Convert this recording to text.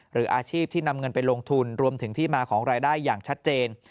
หรืออาชีพที่นำเงินไปลงทุนรวมถึงที่มาของรายได้อย่างชัดเจน